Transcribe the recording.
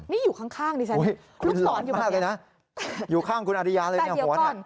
นี่อยู่ข้างดิฉันลูกศรอยู่แบบนี้คุณหลอนมากเลยนะอยู่ข้างคุณอริยาเลยเนี่ยหัวนี้แต่เดี๋ยวก่อน